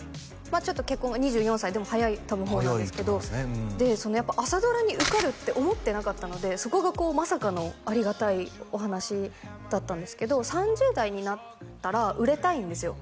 あちょっと結婚が２４歳でも早い方なんですけどでやっぱ朝ドラに受かるって思ってなかったのでそこがまさかのありがたいお話だったんですけど３０代になったら売れたいんですよ